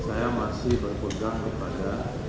saya masih berpenggak kepada